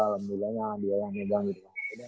lalu dia yang megang gitu